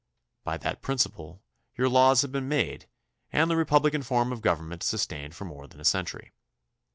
By that principle your laws have been made and the republican form of government sustained for more than a century.